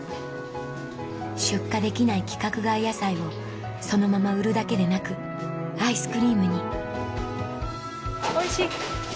出荷できない規格外野菜をそのまま売るだけでなくアイスクリームに・おいしい？